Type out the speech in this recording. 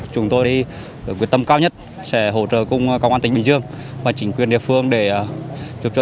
chúng tôi quyết tâm cao nhất sẽ hỗ trợ công an tỉnh bình dương và chính quyền địa phương để giúp cho